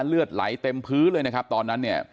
เลือดไหลเต็มพื้นเลยนะครับตอนนั้นเนี่ย